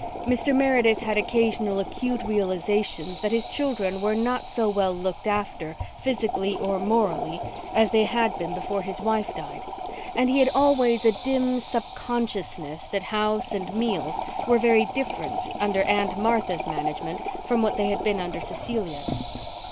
Mr. Meredith had occasional acute realizations that his children were not so well looked after, physically or morally, as they had been before his wife died, and he had always a dim sub consciousness that house and meals were very different under Aunt Martha's management from what they had been under Cecilia's.